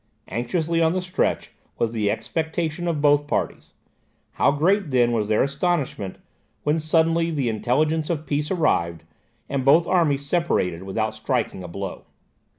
Anxiously on the stretch was the expectation of both parties. How great then was their astonishment when suddenly the intelligence of peace arrived, and both armies separated without striking a blow!